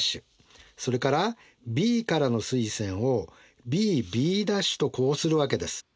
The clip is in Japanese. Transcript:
’それからＢからの垂線をＢＢ’とこうするわけです。